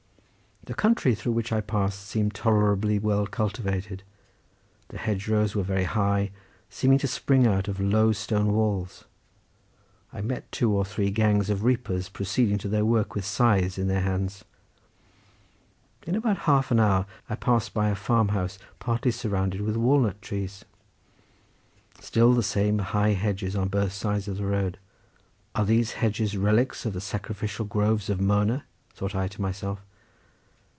The country through which I passed seemed tolerably well cultivated, the hedge rows were very high, seeming to spring out of low stone walls. I met two or three gangs of reapers proceeding to their work with scythes in their hands. In about half an hour I passed by a farm house partly surrounded with walnut trees. Still the same high hedges on both sides of the road: are these relics of the sacrificial groves of Mona? thought I to myself.